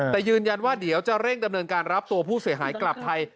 แต่ยืนยันว่าเดี๋ยวจะเร่งดำเนินการรับตัวผู้เสียหายกลับไทย